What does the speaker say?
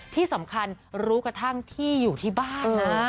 ที่สำคัญรู้กระทั่งที่อยู่ที่บ้านนะ